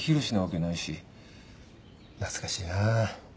懐かしいな。